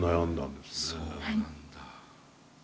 そうなんだ。